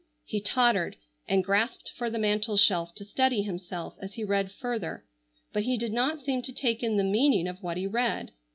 He tottered and grasped for the mantel shelf to steady himself as he read further, but he did not seem to take in the meaning of what he read.